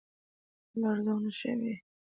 تولید ارزانه شوی دی.